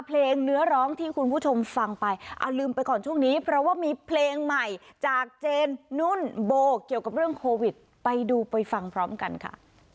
เนื้อร้องที่คุณผู้ชมฟังไปเอาลืมไปก่อนช่วงนี้เพราะว่ามีเพลงใหม่จากเจนนุ่นโบเกี่ยวกับเรื่องโควิดไปดูไปฟังพร้อมกันค่ะ